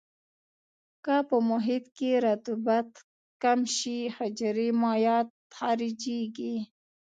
که په محیط کې رطوبت کم شي حجرې مایعات خارجيږي.